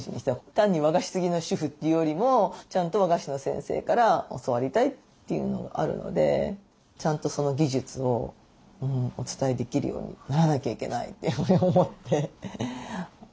単に和菓子好きの主婦というよりもちゃんと和菓子の先生から教わりたいというのがあるのでちゃんとその技術をお伝えできるようにならなきゃいけないというふうに思って。